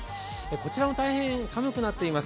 こちらは大変寒くなっています。